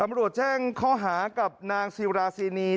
ตำรวจแจ้งข้อหากับนางซีราซีนี